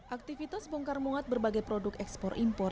aktivitas bongkar muat berbagai produk ekspor impor